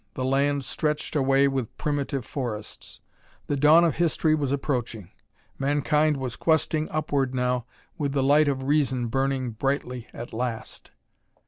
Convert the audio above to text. The land stretched away with primitive forests. The dawn of history was approaching. Mankind was questing upward now, with the light of Reason burning brightly at last....